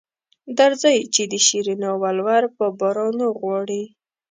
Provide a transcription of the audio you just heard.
درځئ چې د شیرینو ولور په بارونو غواړي.